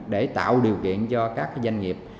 để tạo điều kiện cho các cái doanh nghiệp